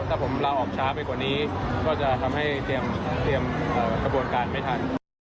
ถ้าผมลาออกช้าไปกว่านี้ก็จะทำให้เตรียมกระบวนการไม่ทัน